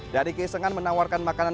dari keisengan menawarkan makanan